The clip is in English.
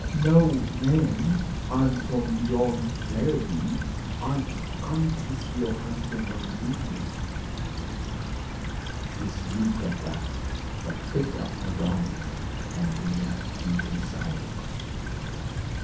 "No, ma'am; I'm from beyond Fairview. I've come to see your husband on business." She sniffed, at that, but picked up her darning and relapsed into silence.